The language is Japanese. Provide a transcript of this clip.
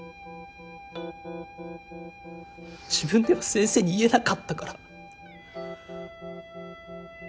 自分では先生に言えなかったから。